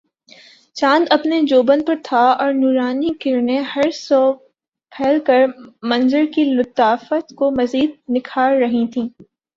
چاند اپنے جوبن پر تھا اور نورانی کرنیں ہر سو پھیل کر منظر کی لطافت کو مزید نکھار رہی تھیں